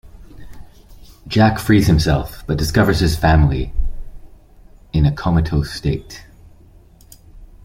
Jack frees himself but discovers his family in a comatose state.